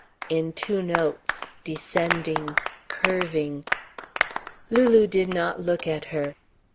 in two notes, descending, curving. Lulu did not look at her.